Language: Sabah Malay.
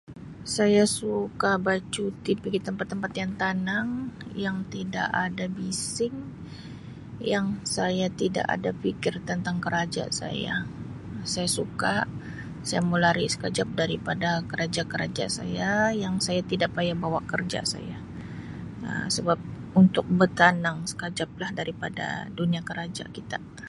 Saya suka bacuti pigi tempat tempat yang tanang yang tidak ada bising yang saya tidak ada pikir tentang keraja saya saya suka saya mau lari sekejap daripada keraja-keraja saya yang saya tidak payah bawa kerja saya Um sebab untuk betanang sekejap lah daripada dunia keraja kita.